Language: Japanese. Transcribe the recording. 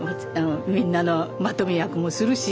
みんなのまとめ役もするし。